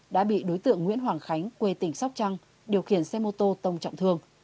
đã bị đối tượng nguyễn hoàng khánh quê tỉnh sóc trăng điều khiển xe mô tô tông trọng thương